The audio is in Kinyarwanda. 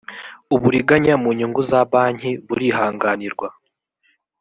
uburiganya mu nyungu za banki burihanganirwa